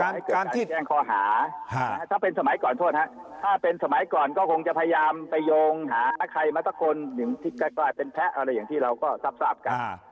ให้เกิดการแจ้งข้อหาถ้าเป็นสมัยก่อนโทษฮะถ้าเป็นสมัยก่อนก็คงจะพยายามไปโยงหาใครมาสักคนหนึ่งที่กลายเป็นแพ้อะไรอย่างที่เราก็ทราบกัน